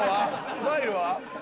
スマイルは？